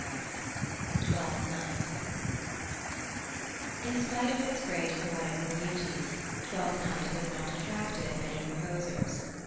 TWELFTH NIGHT In spite of its great poetical beauties, Twelfth Night has not attracted many composers.